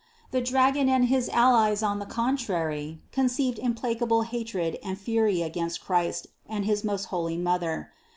The dragon and his allies on the contrary conceived implac able hatred and fury against Christ and his most holy Mother.